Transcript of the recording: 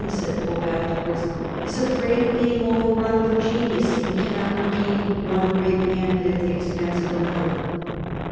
said Pope afterwards, * is afraid of being overran with genius, and cannot regain one great man but at the expense of another.'